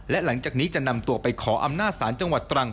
และหลังจากนี้จะนำตัวไปขออำนาจศาลจังหวัดตรัง